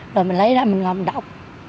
rồi mình lấy ra mình ngồi mình đọc